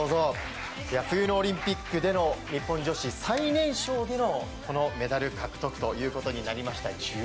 冬のオリンピックでの日本女子最年少でのメダル獲得となりました。